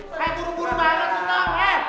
eh turun turun pak heran